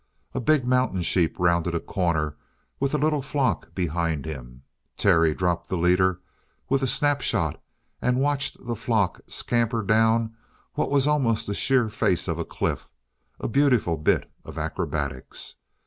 A big mountain sheep rounded a corner with a little flock behind him. Terry dropped the leader with a snapshot and watched the flock scamper down what was almost the sheer face of a cliff a beautiful bit of acrobatics.